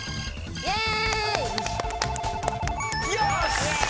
イェーイ！